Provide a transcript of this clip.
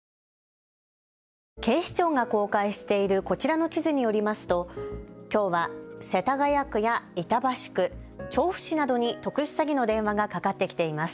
警視庁が公開しているこちらの地図によりますときょうは世田谷区や板橋区、調布市などに特殊詐欺の電話がかかってきています。